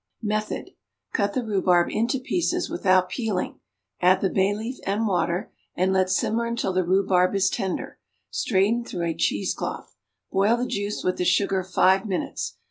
Method. Cut the rhubarb into pieces without peeling; add the bay leaf and water, and let simmer until the rhubarb is tender; strain through a cheese cloth. Boil the juice with the sugar five minutes.